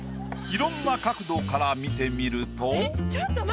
いろんな角度から見てみると。